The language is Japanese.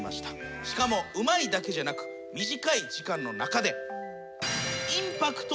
しかもうまいだけじゃなく短い時間の中で。